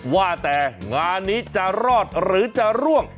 ว่าแต่งานนี้จะรอดหรือจะร่วง